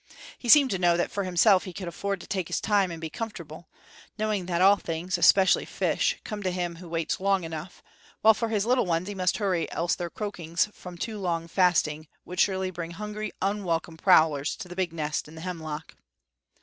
He seemed to know that for himself he could afford to take his time and be comfortable, knowing that all things, especially fish, come to him who waits long enough; while for his little ones he must hurry, else their croakings from too long fasting would surely bring hungry, unwelcome prowlers to the big nest in the hemlock.